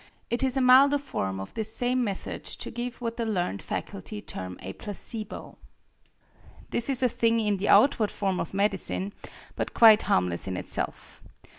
It is a milder form of this same method to give what the learned faculty term a placebo. This is a thing in the outward form of medicine, but quite harmless in itself.